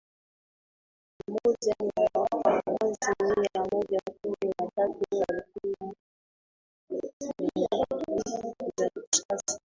pamoja na wapagazi mia moja kumi na tatu Walikuwa na bunduki za kisasa